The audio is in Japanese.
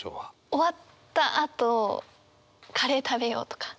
終わったあとカレー食べようとか。